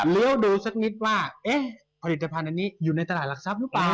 ดูสักนิดว่าเอ๊ะผลิตภัณฑ์อันนี้อยู่ในตลาดหลักทรัพย์หรือเปล่า